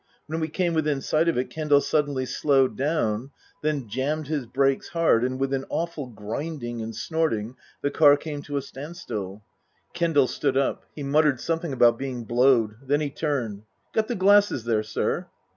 When we came within sight of it Kendal suddenly slowed down, then jammed his brakes hard, and with an awful grinding and snorting the car came to a stand still. Kendal stood up. He muttered something about being blowed. Then he turned. " Got the glasses there, sir